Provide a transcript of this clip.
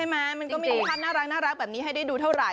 มันก็ไม่มีภาพน่ารักให้ได้ดูเท่าไหร่